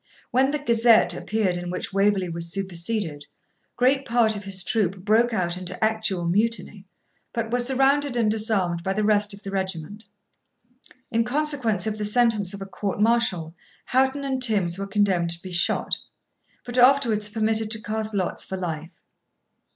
When the 'Gazette' appeared in which Waverley was superseded, great part of his troop broke out into actual mutiny, but were surrounded and disarmed by the rest of the regiment In consequence of the sentence of a court martial, Houghton and Tims were condemned to be shot, but afterwards permitted to cast lots for life.